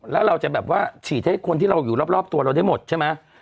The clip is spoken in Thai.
แล้วเราจะแบบว่าฉีดให้คนที่เราอยู่รอบตัวเราได้หมดใช่ไหม